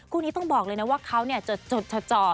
คู่นี้ต้องบอกเลยว่าเขาจะจดจ่อ